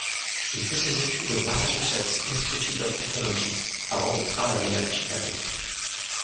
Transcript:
Il fait ses études au Massachusetts Institute of Technology avant de travailler à Chicago.